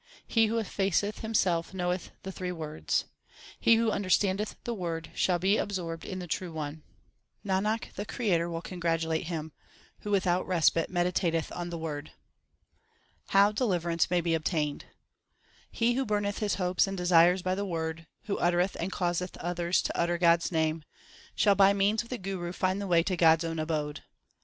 He who effaceth himself knoweth the three worlds. He who understandeth the Word, shall be absorbed in the True One. 1 Literally has ashes thrown on his head. 314 THE SIKH RELIGION Nanak, the Creator will congratulate him Who without respite meditateth on the Word. How deliverance may be obtained : He who burneth his hopes and desires by the Word, Who uttereth and causeth others to utter God s name, Shall by means of the Guru find the way to God s own abode.